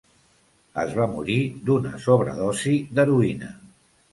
Es va morir d'una sobredosi d'heroïna.